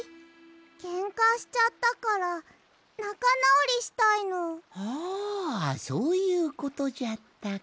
ケンカしちゃったからなかなおりしたいの。はあそういうことじゃったか。